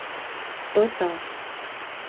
Bodó